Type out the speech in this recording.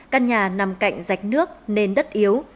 căn nhà nằm cạnh rạch nước nên đất yếu